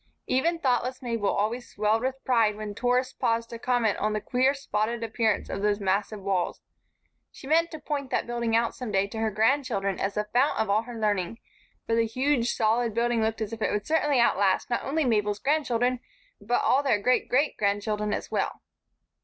Even thoughtless Mabel always swelled with pride when tourists paused to comment on the queer, spotted appearance of those massive walls. She meant to point that building out some day to her grandchildren as the fount of all her learning; for the huge, solid building looked as if it would certainly outlast not only Mabel's grandchildren but all their great great grandchildren as well.